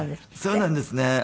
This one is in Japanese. そうなんですね。